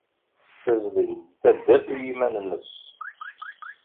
Tessazdeg-d taddart i yiman-nnes.